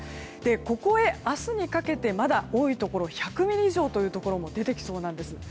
ここへ明日にかけてまだ多いところで１００ミリ以上というところも出てきそうなんです。